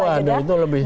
nah itu lagi